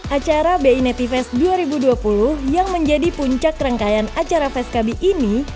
acara bi nativest dua ribu dua puluh yang menjadi puncak rangkaian acara feskabi ini